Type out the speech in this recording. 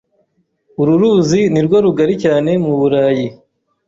Uru ruzi nirwo rugari cyane mu Burayi.